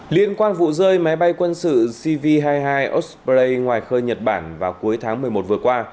liên quan vụ rơi máy bay quân sự cv hai mươi hai osprey ngoài khơi nhật bản vào cuối tháng một mươi một vừa qua